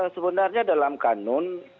sebenarnya dalam kanun